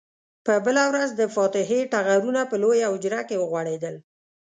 په بله ورځ د فاتحې ټغرونه په لویه حجره کې وغوړېدل.